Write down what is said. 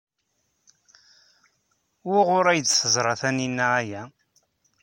Wuɣur ay d-teẓra Taninna aya?